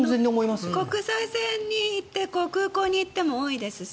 国際線、空港に行っても多いですし